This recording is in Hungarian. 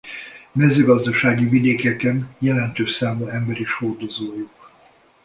Mezőgazdasági vidékeken jelentős számú ember is hordozójuk.